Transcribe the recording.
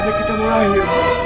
anak kita mau lahir bu